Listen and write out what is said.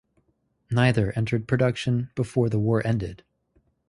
Neither entered production before the war ended.